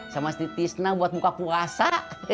sama si tisna buat buka puasa